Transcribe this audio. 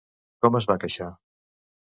Com es va queixar?